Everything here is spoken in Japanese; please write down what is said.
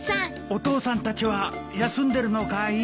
お父さんたちは休んでるのかい？